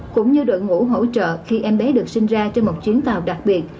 cũng như đội ngũ hỗ trợ khi em bé được sinh ra trên một chuyến tàu đặc biệt